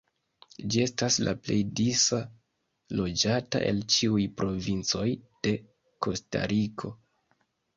Ĝi estas la plej disa loĝata el ĉiuj provincoj de Kostariko.